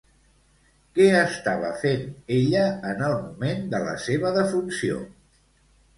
Què estava fent ella en el moment de la seva defunció?